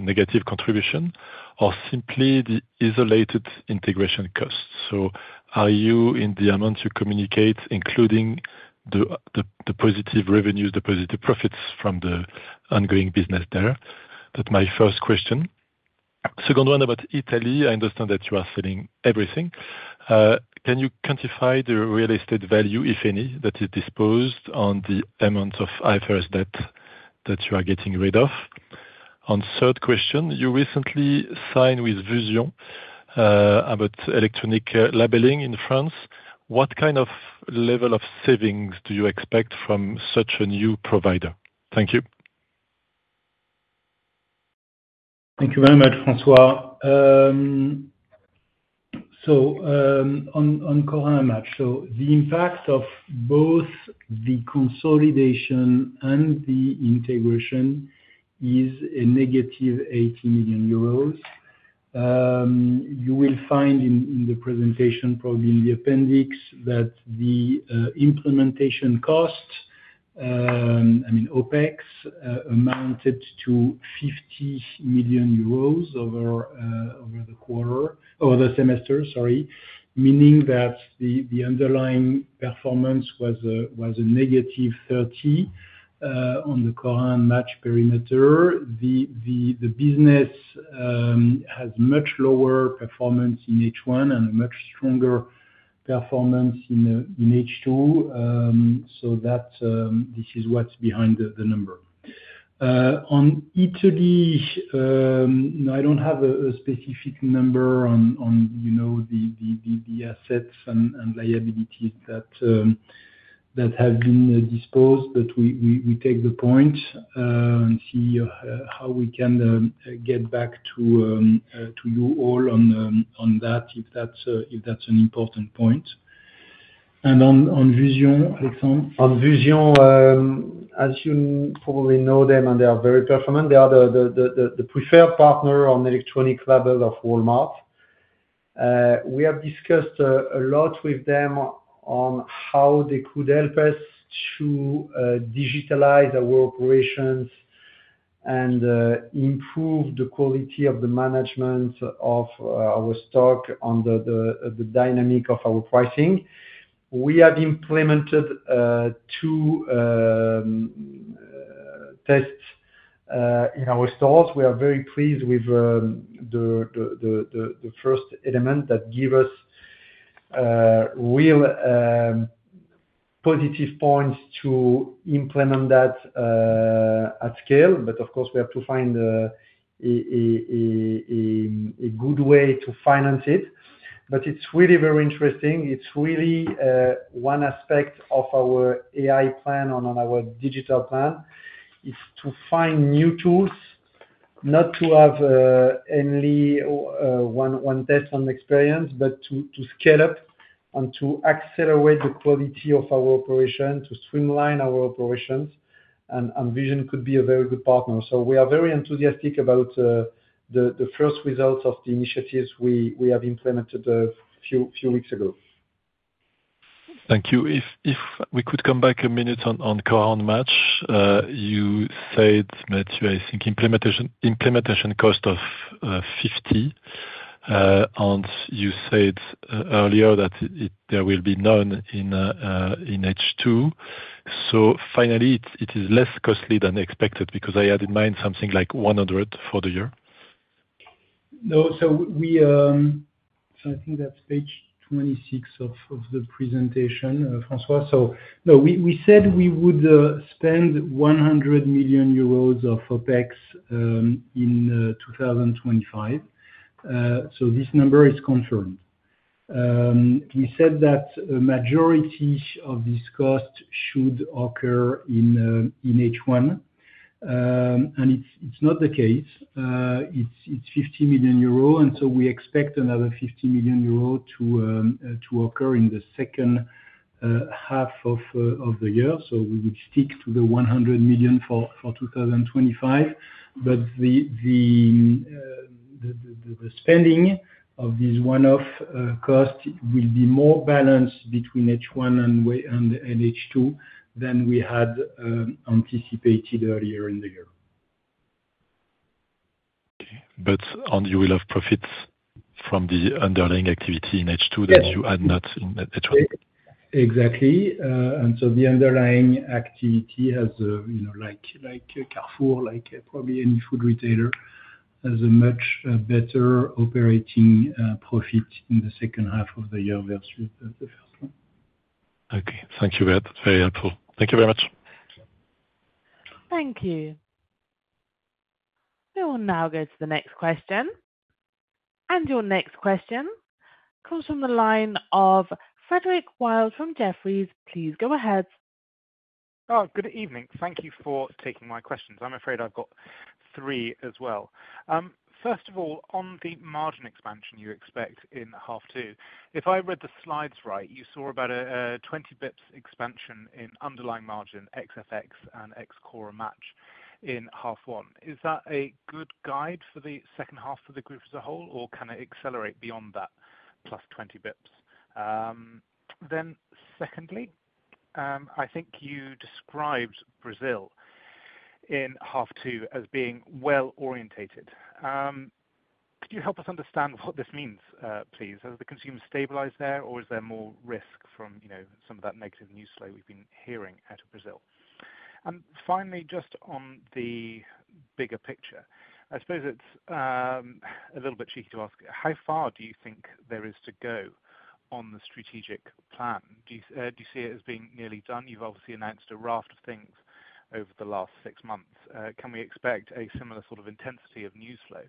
negative contribution or simply the isolated integration costs. So are you in the amount you communicate, including the positive revenues, the positive profits from the ongoing business there? That's my first question. Second one about Italy. I understand that you are selling everything. Can you quantify the real estate value, if any, that is disposed on the amount of IFRS debt that you are getting rid of? On the third question, you recently signed with Vision about electronic labeling in France. What kind of level of savings do you expect from such a new provider? Thank you. Thank you very much, François. On Cora and Match, the impact of both the consolidation and the integration is a negative 80 million euros. You will find in the presentation, probably in the appendix, that the implementation cost, I mean, OpEx, amounted to 50 million euros over the quarter or the semester, sorry, meaning that the underlying performance was a negative 30 on the Cora and Match perimeter. The business has much lower performance in H1 and a much stronger performance in H2. This is what's behind the number. On Italy, I don't have a specific number on the assets and liabilities that have been disposed, but we take the point and see how we can get back to you all on that, if that's an important point. On Vision, Alexandre? On Vision, as you probably know them, and they are very performant, they are the preferred partner on electronic label of Walmart. We have discussed a lot with them on how they could help us to digitalize our operations and improve the quality of the management of our stock under the dynamic of our pricing. We have implemented two tests in our stores. We are very pleased with the first element that gives us real positive points to implement that at scale. Of course, we have to find a good way to finance it. It's really very interesting. It's really one aspect of our AI plan and our digital plan. It's to find new tools, not to have only one test on experience, but to scale up and to accelerate the quality of our operation, to streamline our operations. Vision could be a very good partner. We are very enthusiastic about the first results of the initiatives we have implemented a few weeks ago. Thank you. If we could come back a minute on Cora and Match, you said, Matteo, I think, implementation cost of 50. You said earlier that there will be none in H2. Finally, it is less costly than expected because I had in mind something like 100 for the year? No, I think that's page 26 of the presentation, François. No, we said we would spend 100 million euros of OpEx in 2025. This number is confirmed. We said that a majority of this cost should occur in H1, and it is not the case. It is 50 million euro, and we expect another 50 million euro to occur in the second half of the year. We would stick to the 100 million for 2025, but the spending of this one-off cost will be more balanced between H1 and H2 than we had anticipated earlier in the year. Okay. You will have profits from the underlying activity in H2 that you had not in H1? Exactly. The underlying activity, like Carrefour, like probably any food retailer, has a much better operating profit in the second half of the year versus the first one. Okay. Thank you, Matt. Very helpful. Thank you very much. Thank you. We will now go to the next question. Your next question comes from the line of Frederick Wild from Jefferies. Please go ahead. Oh, good evening. Thank you for taking my questions. I am afraid I have got three as well. First of all, on the margin expansion you expect in half two, if I read the slides right, you saw about a 20 basis points expansion in underlying margin, ex-FX, and ex-Cora Match in half one. Is that a good guide for the second half for the group as a whole, or can it accelerate beyond that plus 20 basis points? Secondly, I think you described Brazil in half two as being well-orientated. Could you help us understand what this means, please? Has the consumer stabilized there, or is there more risk from some of that negative news flow we have been hearing out of Brazil? Finally, just on the bigger picture, I suppose it is a little bit cheeky to ask, how far do you think there is to go on the strategic plan? Do you see it as being nearly done? You have obviously announced a raft of things over the last six months. Can we expect a similar sort of intensity of news flow,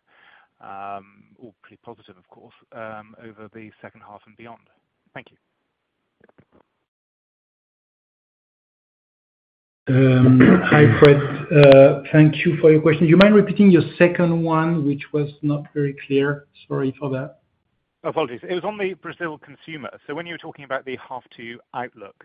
all pretty positive of course, over the second half and beyond? Thank you. Hi, Fred. Thank you for your question. Do you mind repeating your second one, which was not very clear? Sorry for that. Apologies. It was on the Brazil consumer. When you were talking about the half two outlook,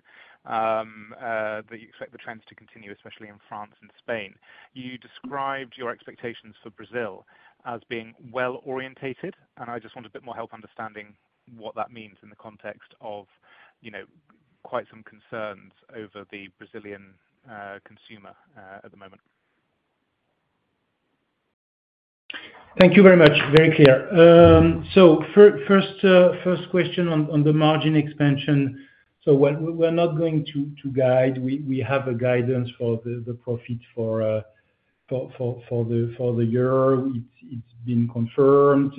that you expect the trends to continue, especially in France and Spain, you described your expectations for Brazil as being well-orientated. I just want a bit more help understanding what that means in the context of quite some concerns over the Brazilian consumer at the moment. Thank you very much. Very clear. First question on the margin expansion. We are not going to guide. We have a guidance for the profit for the year. It has been confirmed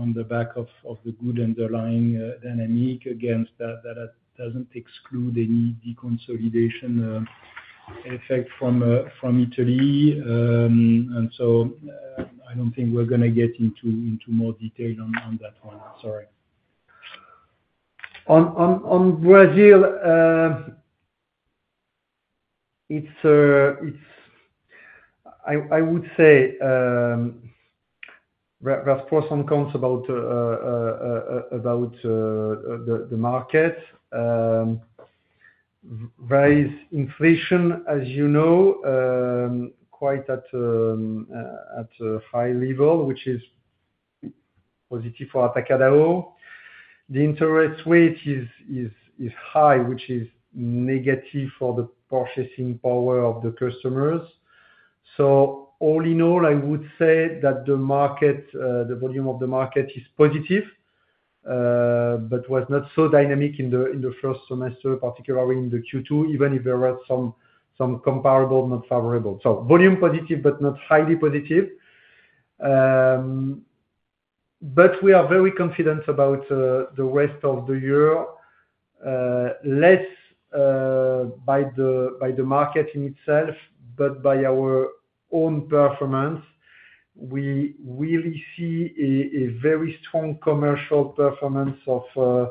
on the back of the good underlying dynamic. Again, that does not exclude any deconsolidation effect from Italy. I do not think we're going to get into more detail on that one. Sorry. On Brazil, I would say there are pros and cons about the market. Raise inflation, as you know, quite at a high level, which is positive for Atacadão. The interest rate is high, which is negative for the purchasing power of the customers. All in all, I would say that the volume of the market is positive, but was not so dynamic in the first semester, particularly in the Q2, even if there were some comparable not favorable. Volume positive, but not highly positive. We are very confident about the rest of the year, less by the market in itself, but by our own performance. We really see a very strong commercial performance of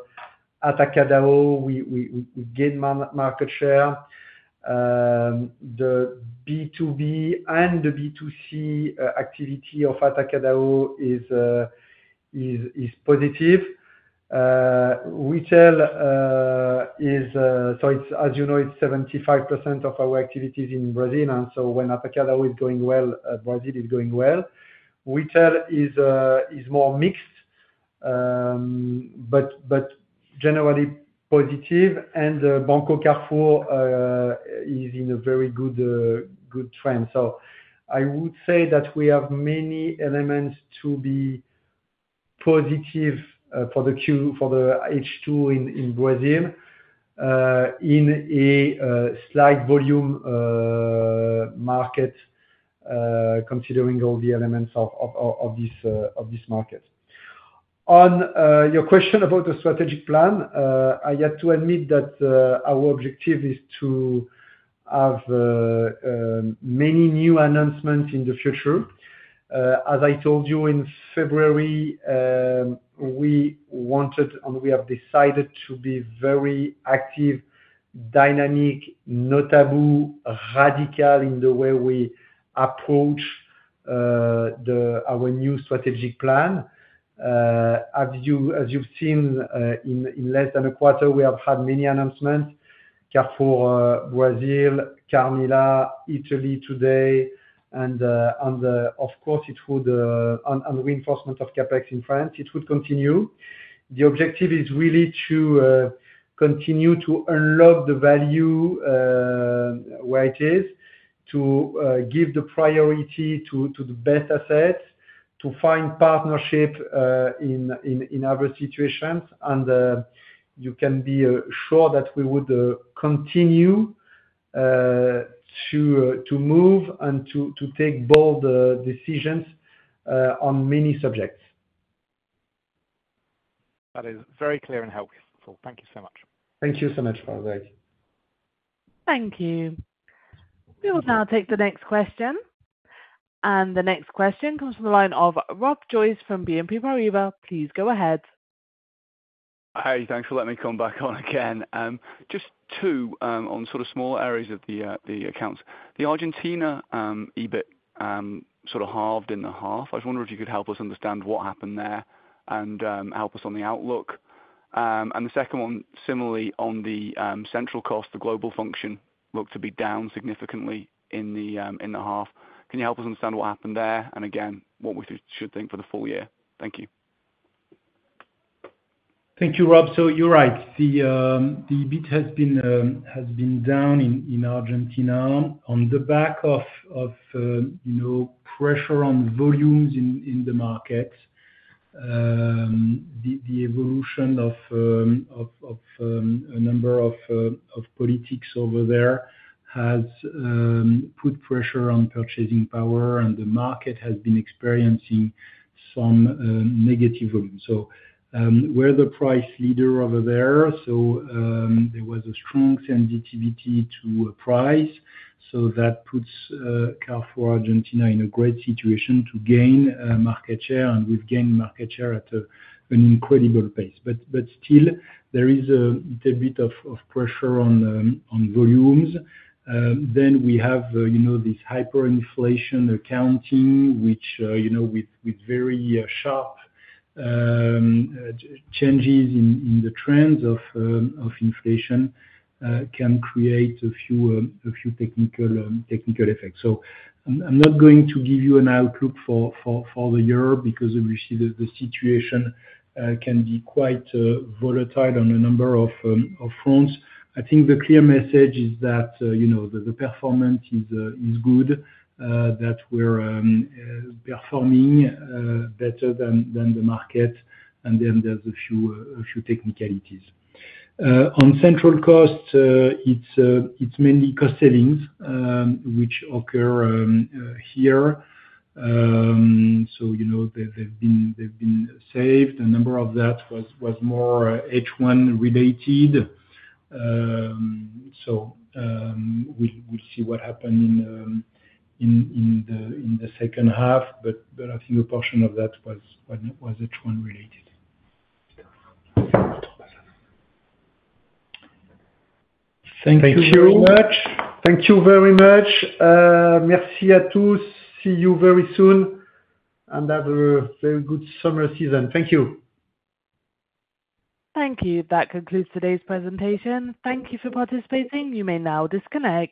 Atacadão. We gain market share. The B2B and the B2C activity of Atacadão is positive. Retail, as you know, is 75% of our activities in Brazil, and when Atacadão is going well, Brazil is going well. Retail is more mixed, but generally positive. Banco Carrefour is in a very good trend. I would say that we have many elements to be positive for the H2 in Brazil in a slight volume market, considering all the elements of this market. On your question about the strategic plan, I have to admit that our objective is to have many new announcements in the future. As I told you in February, we wanted and we have decided to be very active, dynamic, notable, radical in the way we approach our new strategic plan. As you've seen, in less than a quarter, we have had many announcements: Carrefour, Brazil, Carmila, Italy today, and of course, reinforcement of CapEx in France. It would continue. The objective is really to continue to unlock the value where it is, to give the priority to the best assets, to find partnership in other situations. You can be sure that we would continue to move and to take bold decisions on many subjects. That is very clear and helpful. Thank you so much. Thank you so much, Frederick. Thank you. We will now take the next question. The next question comes from the line of Rob Joyce from BNP Paribas. Please go ahead. Hey, thanks for letting me come back on again. Just two on sort of small areas of the accounts. The Argentina EBIT sort of halved in the half. I was wondering if you could help us understand what happened there and help us on the outlook. The second one, similarly, on the central cost, the global function looked to be down significantly in the half. Can you help us understand what happened there? And again, what we should think for the full year? Thank you. Thank you, Rob. You're right. The EBIT has been down in Argentina on the back of pressure on volumes in the market. The evolution of a number of politics over there has put pressure on purchasing power, and the market has been experiencing some negative volume. We are the price leader over there, so there was a strong sensitivity to price. That puts Carrefour Argentina in a great situation to gain market share, and we have gained market share at an incredible pace. Still, there is a bit of pressure on volumes. We have this hyperinflation accounting, which, with very sharp changes in the trends of inflation, can create a few technical effects. I am not going to give you an outlook for the year because we see the situation can be quite volatile on a number of fronts. I think the clear message is that the performance is good, that we are performing better than the market, and then there are a few technicalities. On central costs, it is mainly cost savings, which occur here. They have been saved. A number of that was more H1 related. We will see what happened in the second half, but I think a portion of that was H1 related. Thank you very much. Thank you very much. Merci à tous. See you very soon, and have a very good summer season. Thank you. Thank you. That concludes today's presentation. Thank you for participating. You may now disconnect.